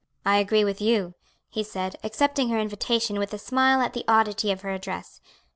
"I agree with you," he said, accepting her invitation with a smile at the oddity of her address.